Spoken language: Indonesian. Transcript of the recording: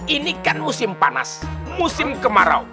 ini kan musim panas musim kemarau